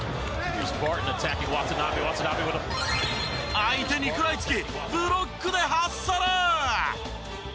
相手に食らいつきブロックでハッスル！